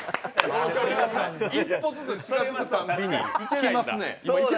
一歩ずつ近づくたびにきますね。